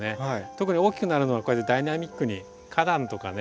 特に大きくなるのはこうやってダイナミックに花壇とかね